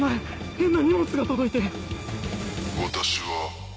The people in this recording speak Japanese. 変な荷物が届いて。